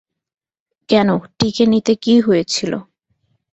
কেন, টিকে নিতে কী হয়েছিল?